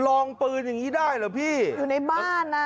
ลองปืนอย่างงี้ได้เหรอพี่อยู่ในบ้านอ่ะ